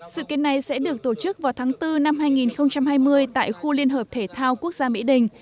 sự kiện này sẽ được tổ chức vào tháng bốn năm hai nghìn hai mươi tại khu liên hợp thể thao quốc gia mỹ đình